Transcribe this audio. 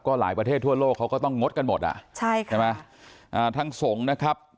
ก็หลายประเทศทั่วโลกเขาก็ต้องงดกันหมดอ่ะใช่ไหมทั้งสงฆ์นะครับ